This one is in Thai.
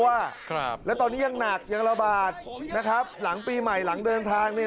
ครับแล้วตอนนี้ยังหนักยังระบาดนะครับหลังปีใหม่หลังเดินทางเนี่ย